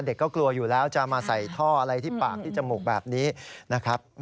เด็กก็กลัวอยู่แล้วจะมาใส่ท่ออะไรที่ปากที่จมูกแบบนี้นะครับ